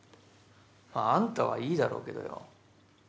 まああんたはいいだろうけどよ